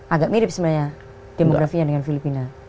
agak mirip sebenarnya demografinya dengan filipina